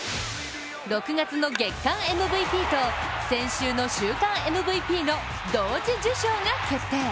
６月の月間ＭＶＰと先週の週間ＭＶＰの同時受賞が決定。